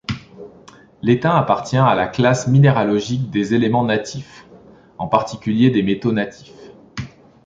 L'étain appartient à la classe minéralogique des éléments natifs, en particulier des métaux natifs.